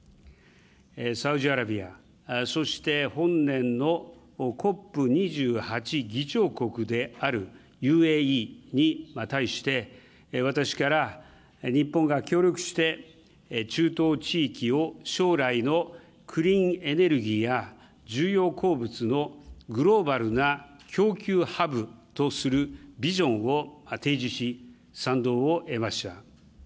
サウジアラビア、そして本年のＣＯＰ２８議長国であるＵＡＥに対して、私から日本が協力して、中東地域を将来のクリーンエネルギーや重要鉱物のグローバルな供給ハブとするビジョンを提示し、賛同を得ました。